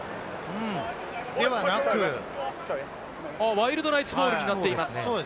ワイルドナイツボールになっています。